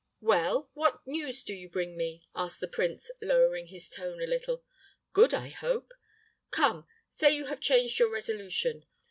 "Well, what news do you bring me?" asked the prince, lowering his tone a little; "good, I hope. Come, say you have changed your resolution!